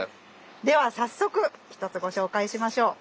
では早速１つご紹介しましょう。